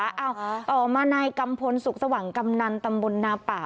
เอ้าต่อมากำพลสุขสว่างกำนันตำบลนาป่า